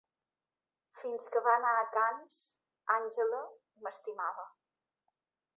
Fins que va anar a Cannes, Angela m'estimava.